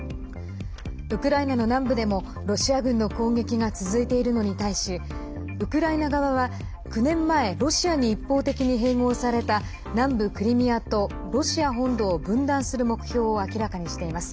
ウクライナの南部でもロシア軍の攻撃が続いているのに対しウクライナ側は、９年前ロシアに一方的に併合された南部クリミアとロシア本土を分断する目標を明らかにしています。